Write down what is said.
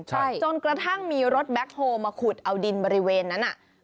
ใช่จนกระทั่งมีรถแบ็คโฮลมาขุดเอาดินบริเวณนั้นอ่ะ